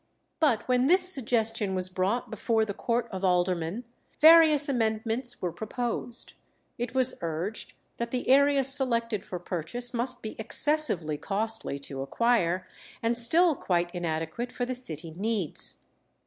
But when this suggestion was brought before the court of aldermen, various amendments were proposed. It was urged that the area selected for purchase must be excessively costly to acquire, and still quite inadequate for the city needs.